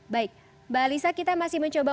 baik mbak alisa kita masih mencoba